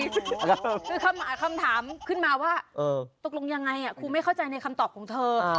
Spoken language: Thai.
คือคำถามขึ้นมาว่าตกลงยังไงครูไม่เข้าใจในคำตอบของเธอ